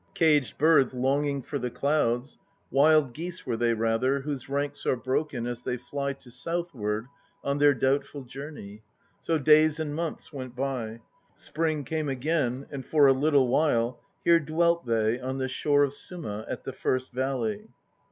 Caged birds longing for the clouds, Wild geese were they rather, whose ranks are broken As they fly to southward on their doubtful journey. So days and months went by; Spring came again And for a little while Here dwelt they on the shore of Suma At the first valley.